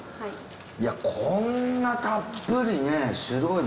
いやこんなたっぷりシロエビ。